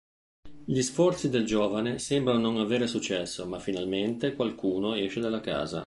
Gli sforzi del giovane sembrano non avere successo ma, finalmente, qualcuno esce dalla casa.